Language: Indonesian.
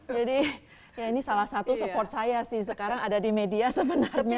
jadi ya ini salah satu support saya sih sekarang ada di media sebenarnya